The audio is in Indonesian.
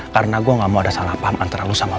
karena gue gak mau ada salah paham antara lo sama gue